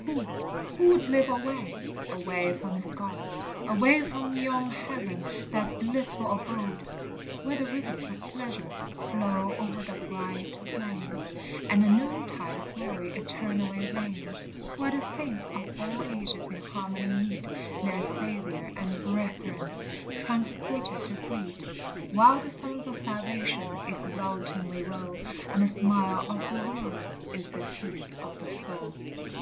Who, who would live alway? away from his God, Away from yon heaven, that blissful abode, Where the rivers of pleasure flow o'er the bright plains, And the noontide of glory eternally reigns; Where the saints of all ages in harmony meet, Their Saviour and brethren transported to greet, While the songs of salvation exultingly roll And the smile of the Lord is the feast of the soul.